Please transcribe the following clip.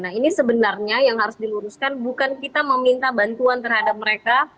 nah ini sebenarnya yang harus diluruskan bukan kita meminta bantuan terhadap mereka